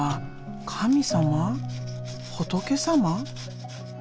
仏様？